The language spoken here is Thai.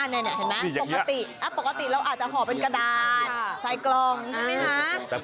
นี่นะปกติเราอาจจะห่อเป็นกระดาษไซส์กลองนี่ไหมคะโอเค